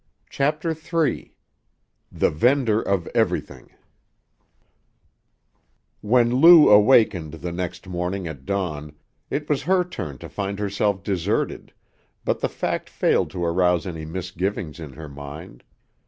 CHAPTER III The Vendor of Everything When Lou awakened the next morning at dawn it was her turn to find herself deserted, but the fact failed to arouse any misgivings in her mind.